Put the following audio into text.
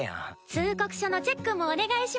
通告書のチェックもお願いします。